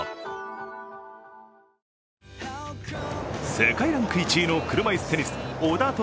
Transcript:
世界ランク１位の車いすテニス小田凱